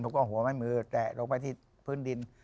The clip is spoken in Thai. แล้วก็หัวไม้มือแตะลงไปที่พื้นดิน